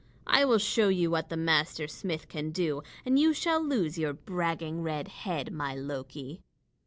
I will show you what the master smith can do, and you shall lose your bragging red head, my Loki."